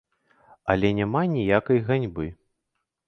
Але няма ніякай ганьбы.